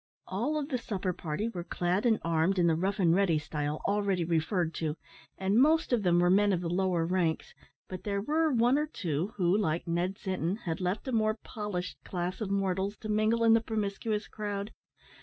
All of the supper party were clad and armed in the rough and ready style already referred to, and most of them were men of the lower ranks, but there were one or two who, like Ned Sinton, had left a more polished class of mortals to mingle in the promiscuous crowd.